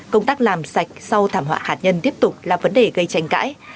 công tác làm sạch sau thảm họa hạt nhân tiếp tục là vấn đề gây tranh cãi